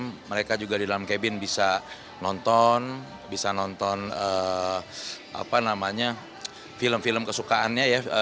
hai mereka juga di dalam cabin bisa nonton bisa nonton ah apa namanya film film kesukaannya ya